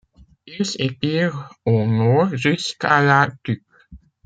Il s'étire au nord jusqu'à La Tuque.